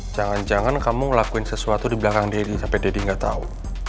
jangan jangan kamu ngelakuin sesuatu di belakang deddy sampe deddy gak tau